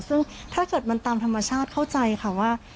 ซึ่งถ้าเกิดมันตามธรรมชาติเข้าใจค่ะว่า